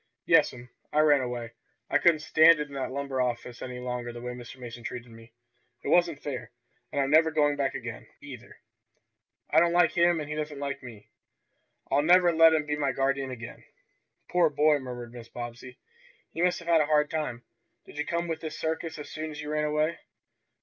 "Yes'm, I ran away. I couldn't stand it in that lumber office any longer the way Mr. Mason treated me. It wasn't fair. And I'm never going back again, either. I don't like him, and he doesn't like me. I'll never let him be my guardian again." "Poor boy!" murmured Mrs. Bobbsey. "You must have had a hard time. Did you come with this circus as soon as you ran away?"